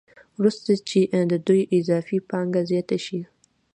وروسته چې د دوی اضافي پانګه زیاته شي